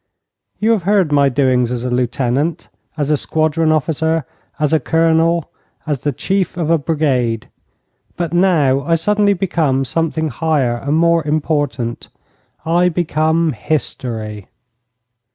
You have heard my doings as a lieutenant, as a squadron officer, as a colonel, as the chief of a brigade. But now I suddenly become something higher and more important. I become history.